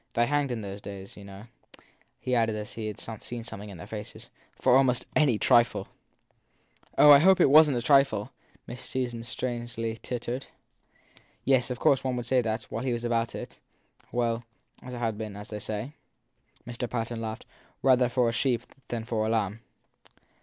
They hanged, in those days, you know, he added as if he had seen something in their faces, for almost any trifle ! Oh, I hope it wasn t for a trifle! Miss Susan strangely tittered. Yes, of course one would like that, while he was about it well, it had been, as they say/ Mr. Patten laughed, rather for a sheep than for a lamb!